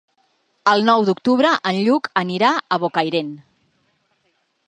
El nou d'octubre en Lluc anirà a Bocairent.